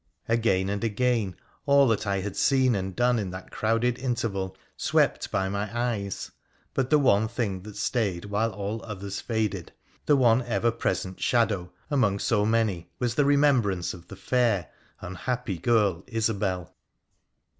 Again and again all that I had seen and done in that crowded interval swept by my eyes, but the one thing that stayed while all others faded, the one ever present shadow among so many, was the remembrance of the fair, unhappy girl Isobel.